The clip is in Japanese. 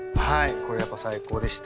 これやっぱ最高でした。